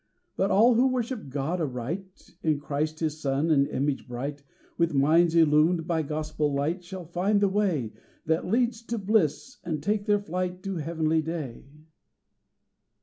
But all who worship God aright, In Christ His Son and image bright, With minds illumed by Gospel light, Shall find the way That leads to bliss, and take their flight To heavenly day.